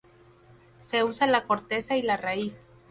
Se usa la corteza y la raíz.